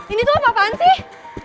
ini tuh apaan sih